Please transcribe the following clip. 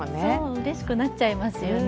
うれしくなっちゃいますよね。